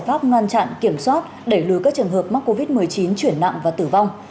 pháp ngăn chặn kiểm soát đẩy lùi các trường hợp mắc covid một mươi chín chuyển nặng và tử vong